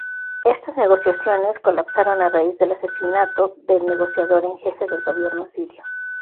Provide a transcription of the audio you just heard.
Estas negociaciones colapsaron a raíz del asesinato del negociador en jefe del gobierno sirio.